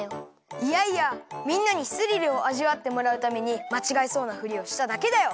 いやいやみんなにスリルをあじわってもらうためにまちがえそうなふりをしただけだよ！